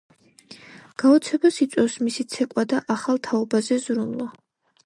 გაოცებას იწვევს მისი ცეკვა და ახალ თაობაზე ზრუნვა.